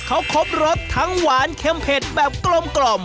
เขาครบรสทั้งหวานเค็มเผ็ดแบบกลม